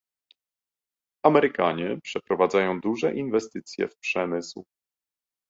Amerykanie przeprowadzają duże inwestycje w przemysł